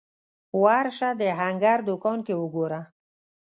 ورشه د هنګر دوکان کې وګوره